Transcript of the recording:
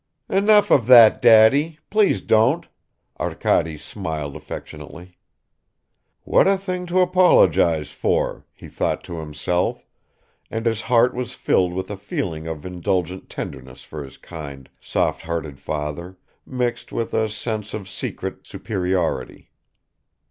"Enough of that, Daddy, please don't ..." Arkady smiled affectionately. "What a thing to apologize for," he thought to himself, and his heart was filled with a feeling of indulgent tenderness for his kind, soft hearted father, mixed with a sense of secret superiority.